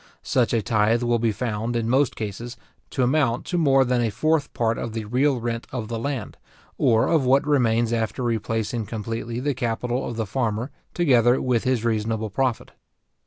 Such a tythe will be found, in most cases, to amount to more than a fourth part of the real rent of the land, or of what remains after replacing completely the capital of the farmer, together with his reasonable profit.